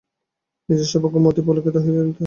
নিজের সৌভাগ্যে মতি পুলকিত হইয়া থাকে।